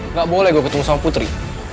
nggak boleh gue ketemu sama putri